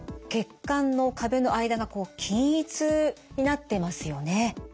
血管の壁の間がこう均一になってますよね。